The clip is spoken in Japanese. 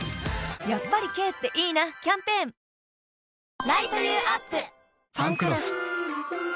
やっぱり軽っていいなキャンペーン「ファンクロス」